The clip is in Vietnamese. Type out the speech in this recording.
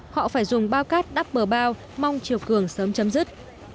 họ phải dùng bao cát đắp bờ bao mong chiều cường sớm chấm dứt